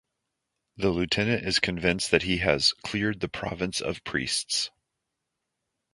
The lieutenant is convinced that he has "cleared the province of priests".